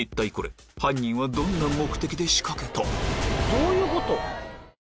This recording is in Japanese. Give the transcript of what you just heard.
どういうこと？